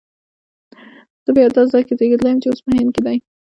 زه په یو داسي ځای کي زیږېدلی یم چي اوس په هند کي دی